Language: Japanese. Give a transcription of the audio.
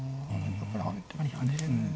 やっぱり跳ねるんですかね。